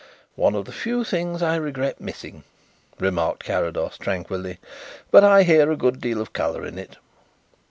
"One of the few things I regret missing," remarked Carrados tranquilly; "but I hear a good deal of colour in it."